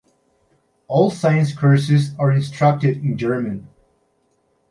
All science courses are instructed in German.